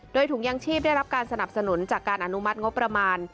โดยถุงยางชีพได้รับการสนับสนุนจากการอนุมัติงบประมาณ